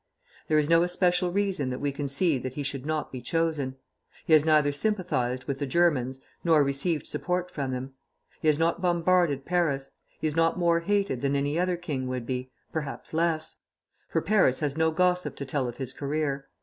There is no especial reason that we can see that he should not be chosen. He has neither sympathized with the Germans, nor received support from them. He has not bombarded Paris. He is not more hated than any other king would be, perhaps less; for Paris has no gossip to tell of his career.